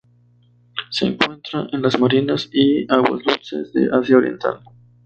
Se encuentra en las marinas y aguas dulces de Asia Oriental.